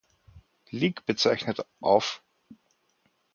Lig bezeichnet, auf.